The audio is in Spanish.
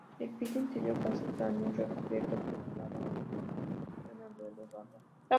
El piso interior casi plano recubierto por la lava tiene un albedo bajo.